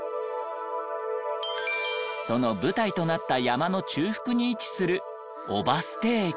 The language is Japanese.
その舞台となった山の中腹に位置する姨捨駅。